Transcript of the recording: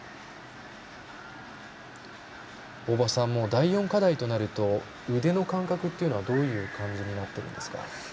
もう第４課題となると腕の感覚というのはどういう感じになってるんですか。